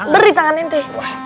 beri tangan ente